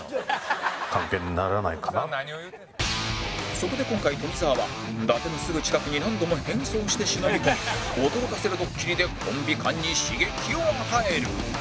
そこで今回富澤は伊達のすぐ近くに何度も変装して忍び込み驚かせるドッキリでコンビ間に刺激を与える！